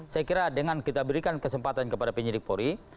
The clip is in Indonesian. saya kira dengan kita berikan kesempatan kepada penyidik polri